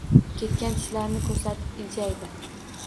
Ketgan tishlarini ko‘rsatib, iljaydi.